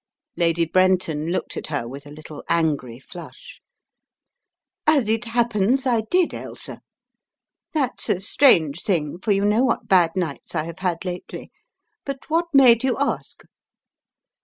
Lady Brenton looked at her with a little angry flush. "As it happens I did, Ailsa. That's a strange thing, for you know what bad nights I have had lately. But what made you ask?"